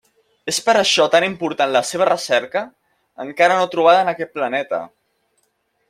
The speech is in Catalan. És per això tan important la seva recerca, encara no trobada en aquest planeta.